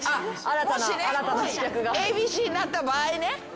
もしねＡＢＣになった場合ね。